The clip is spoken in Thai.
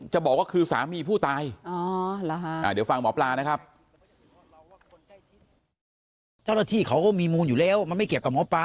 เจ้าหน้าที่เขาก็มีมูลอยู่แล้วมันไม่เกี่ยวกับหม้อปลา